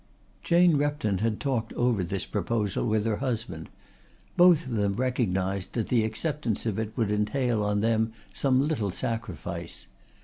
Jane Repton had talked over this proposal with her husband. Both of them recognised that the acceptance of it would entail on them some little sacrifice.